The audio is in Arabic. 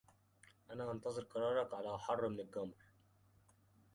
أنا أنتظر قرارك على أحر من الجمر.